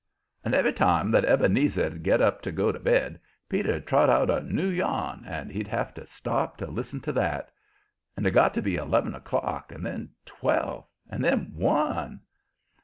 And every time that Ebenezer'd get up to go to bed, Peter'd trot out a new yarn and he'd have to stop to listen to that. And it got to be eleven o'clock and then twelve and then one.